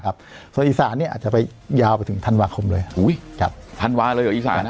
ครับส่วนอีสานี่อาจจะไปยาวไปถึงธันวาคมเลยอุ้ยครับธันวาคมเลยหรออีสาน